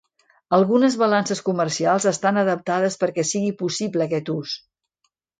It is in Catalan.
Algunes balances comercials estan adaptades perquè sigui possible aquest ús.